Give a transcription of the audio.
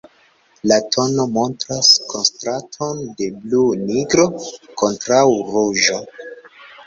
La tono montras kontraston de blu-nigro kontraŭ ruĝo.